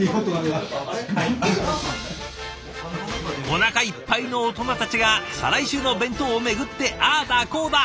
おなかいっぱいのオトナたちが再来週の弁当を巡ってああだこうだ。